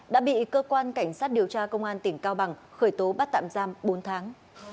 đã bị cơ quan cảnh sát điều tra công an tỉnh cao bằng khởi tố bắt tạm giam bốn tháng